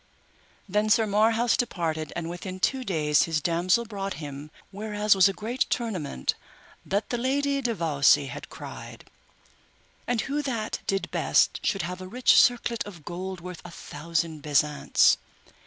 Then Sir Marhaus departed, and within two days his damosel brought him whereas was a great tournament that the Lady de Vawse had cried. And who that did best should have a rich circlet of gold worth a thousand besants.